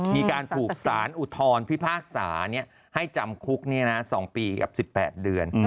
มีการภูมิสารอุทธรณภรณ์พี่ภาคสาให้จำคุก๒ปีกับ๑๘เดือน